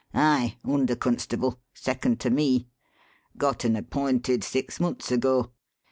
"Aye under constable: second to me. Got un appointed six months ago.